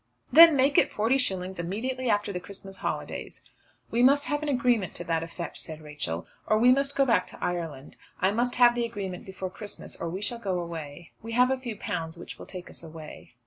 "Then make it forty shillings immediately after the Christmas holidays." "I must have an agreement to that effect," said Rachel, "or we must go back to Ireland. I must have the agreement before Christmas, or we shall go back. We have a few pounds which will take us away."